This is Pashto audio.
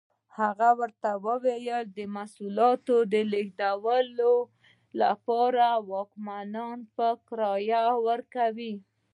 هغه ورته وویل د محصولاتو لېږد لپاره واګونونه په کرایه ورکړي.